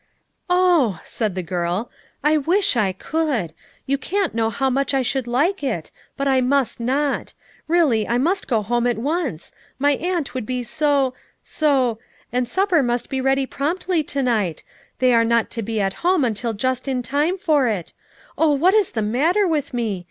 "Oh," said tlie S n % "I wish I could; you can't know how much I should like it, but I must not; really I must go home at once; my aunt would be so — so — and supper must be ready promptly to night ; they are not to be at home until just in time for it. Oh, what is the matter with me?